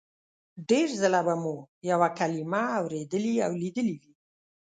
ډېر ځله به مو یوه کلمه اورېدلې او لیدلې وي